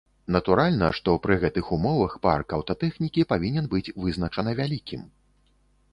Натуральна, што пры гэтых умовах парк аўтатэхнікі павінен быць вызначана вялікім.